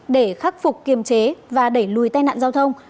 để khắc phục kiềm chế và đẩy lùi tai nạn giao thông